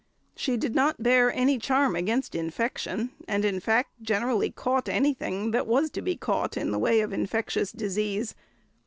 She did not bear any charm against infection, and in fact generally caught anything that was to be caught in the way of infectious disease.